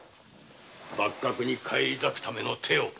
幕閣に返り咲くための手を。